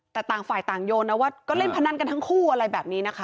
แต่ต่างฝ่ายต่างโยนนะว่าก็เล่นพนันกันทั้งคู่อะไรแบบนี้นะคะ